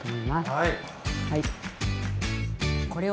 はい。